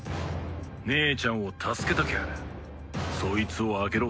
姉ちゃんを助けたきゃそいつを開けろ。